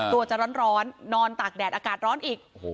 ตัวจะร้อนนอนตากแดดอากาศร้อนอีก